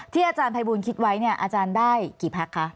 ที่อาจารย์ภัยบุญคิดไว้อาจารย์ได้กี่พักคะ